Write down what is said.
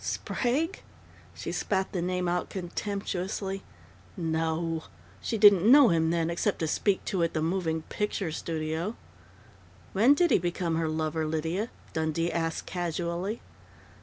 "Sprague?" She spat the name out contemptuously. "No! She didn't know him then, except to speak to at the moving picture studio." "When did he become her lover, Lydia?" Dundee asked casually.